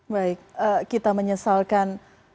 baik kita menyesalkan